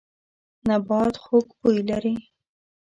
نبات خوږ بوی لري.